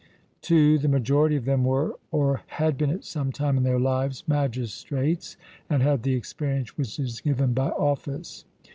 (2) The majority of them were, or had been at some time in their lives, magistrates, and had the experience which is given by office.